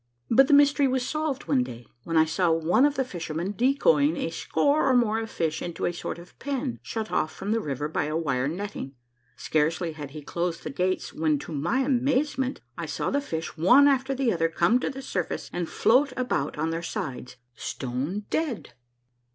But the mystery was solved one day when I saw one of the fishermen decoying a score or more of fish into a sort of pen shut off from the river by a wire netting. Scarcely had he closed the gates when, to my amazement, I saw the fish one after the other come to the surface and float about on their sides, stone dead.